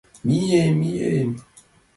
— Мием, мием.